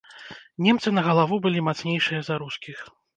Немцы на галаву былі мацнейшыя за рускіх.